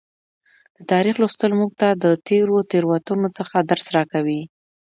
د تاریخ لوستل موږ ته د تیرو تیروتنو څخه درس راکوي.